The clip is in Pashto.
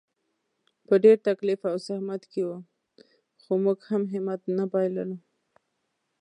په ډېر تکلیف او زحمت کې وو، خو موږ هم همت نه بایللو.